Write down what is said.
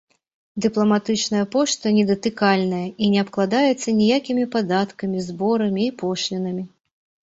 Дыпламатычная пошта недатыкальная і не абкладаецца ніякімі падаткамі, зборамі і пошлінамі.